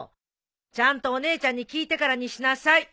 ちゃんとお姉ちゃんに聞いてからにしなさい。